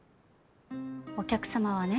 お客様はね